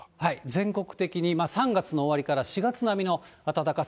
全国的に３月の終わりから４月並みの暖かさ。